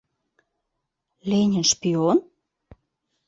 Ленин — шпион?